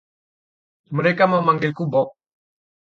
Mereka memanggilku Bob.